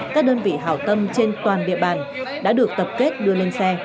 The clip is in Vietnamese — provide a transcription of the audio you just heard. các đơn vị hảo tâm trên toàn địa bàn đã được tập kết đưa lên xe